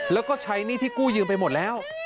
แล้วก็ใช้หนี้ที่กู้ยืมไปหมดแล้ว